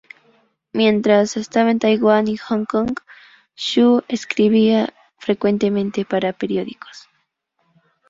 Mientras estaba en Taiwán y Hong Kong, Xu escribía frecuentemente para periódicos.